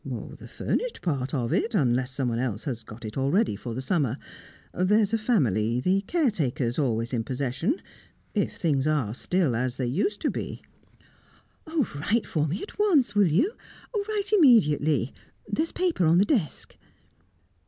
"The furnished part of it, unless someone else has got it already for this summer. There's a family, the caretakers, always in possession if things are still as they used to be." "Write for me at once, will you? Write immediately! There is paper on the desk."